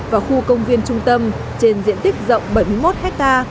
và khu công viên trung tâm trên diện tích rộng bảy mươi một ha